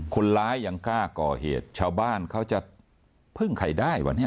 คนร้ายยังกล้าก่อเหตุชาวบ้านเขาจะพึ่งใครได้วะเนี่ย